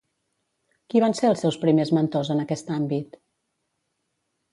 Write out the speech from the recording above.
Qui van ser els seus primers mentors en aquest àmbit?